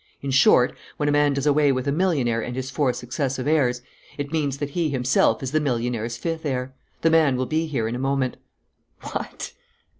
In short, when a man does away with a millionaire and his four successive heirs, it means that he himself is the millionaire's fifth heir. The man will be here in a moment." "What!"